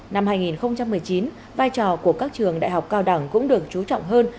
năm hai nghìn một mươi chín vai trò của các trường đại học cao đẳng cũng được chú trọng hơn